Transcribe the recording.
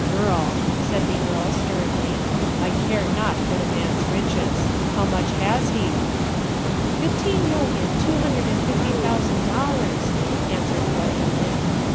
"Girl," said the earl sternly, "I care not for the man's riches. How much has he?" "Fifteen million two hundred and fifty thousand dollars," answered Gwendoline.